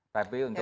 tapi untuk donald